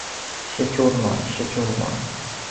সে চোর নয়, সে চোর নয়!